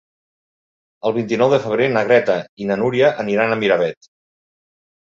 El vint-i-nou de febrer na Greta i na Núria aniran a Miravet.